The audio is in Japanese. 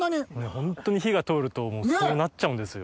ホントに火が通るとそうなっちゃうんですよ。